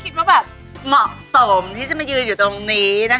คิดว่าแบบเหมาะสมที่จะมายืนอยู่ตรงนี้นะคะ